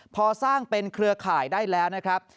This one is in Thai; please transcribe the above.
พอสร้างเป็นเครือข่ายได้แล้วนะครับ